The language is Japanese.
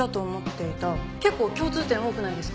結構共通点多くないですか？